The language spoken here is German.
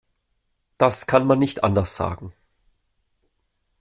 Das kann man nicht anders sagen.